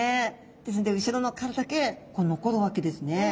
ですので後ろの殻だけ残るわけですね。